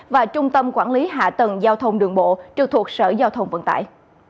và trung tâm quản lý hạ tầng giao thông đường bộ trực thuộc sở giao thông vận tải